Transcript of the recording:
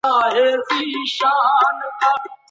په قلم خط لیکل د یاداښتونو غوره طریقه ده.